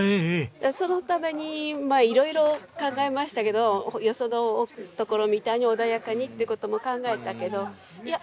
そのために色々考えましたけどよそのところみたいに穏やかにっていう事も考えたけどいや